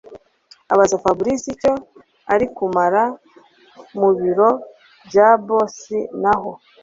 abaza Fabric icyo arikumara mubiro bya boss naho